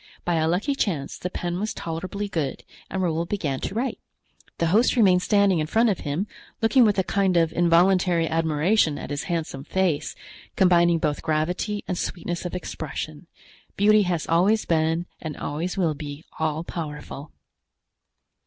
By a lucky chance the pen was tolerably good and Raoul began to write. The host remained standing in front of him, looking with a kind of involuntary admiration at his handsome face, combining both gravity and sweetness of expression. Beauty has always been and always will be all powerful.